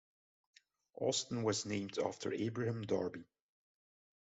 Austin was named after Abraham Darby.